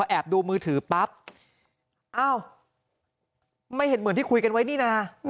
แอบดูมือถือปั๊บอ้าวไม่เห็นเหมือนที่คุยกันไว้นี่นะ